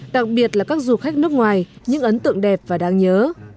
đặc biệt là các du khách nước ngoài những ấn tượng đẹp và đáng nhớ